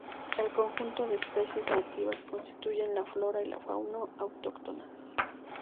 El conjunto de especies nativas constituyen la flora y fauna autóctonas.